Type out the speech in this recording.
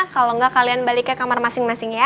kalau enggak kalian balik ke kamar masing masing ya